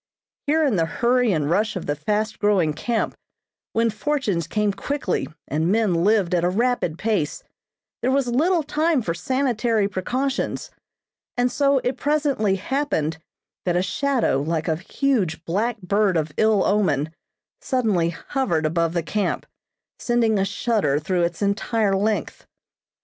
Here in the hurry and rush of the fast growing camp, when fortunes came quickly, and men lived at a rapid pace, there was little time for sanitary precautions, and so it presently happened that a shadow, like a huge black bird of ill omen, suddenly hovered above the camp, sending a shudder through its entire length.